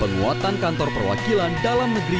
pertama penguatan perwakilan dalam negeri